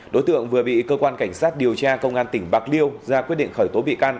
đối tượng vừa bị cơ quan cảnh sát điều tra công an tỉnh bạc liêu ra quyết định khởi tố bị can